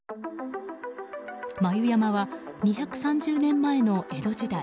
眉山は２３０年前の江戸時代